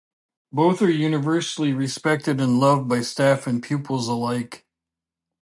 Both are universally respected and loved by staff and pupils alike.